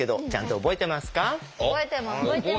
覚えてます。